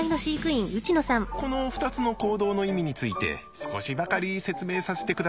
この２つの行動の意味について少しばかり説明させてください。